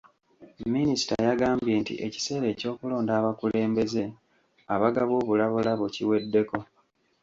Minisita yagambye nti ekiseera ekyokulonda abakulembeze abagaba obulabolabo kiweddeko.